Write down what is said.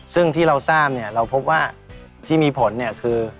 ซึ่งที่เราทราบเนี่ยเราพบว่าที่มีผลเนี่ยคือ